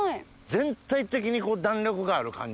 全体的に弾力がある感じで。